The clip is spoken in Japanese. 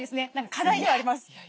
課題ではあります。